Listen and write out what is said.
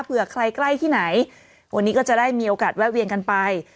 เผื่อใครใกล้ที่ไหนวันนี้ก็จะได้มีโอกาสแวะเวียนกันไป